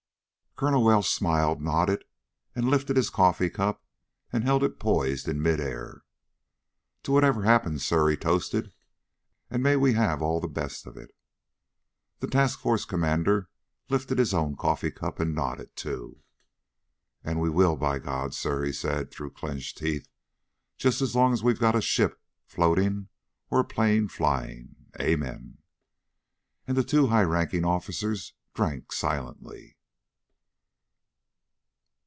Colonel Welsh smiled, nodded, and lifted his coffee cup and held it poised in midair. "To whatever happens, sir," he toasted. "And may we have all the best of it!" The task force commander lifted his own coffee cup, and nodded, too. "And we will, by God, sir!" he said through clenched teeth. "Just as long as we've got a ship floating or a plane flying! Amen!" And the two high ranking officers drank silently.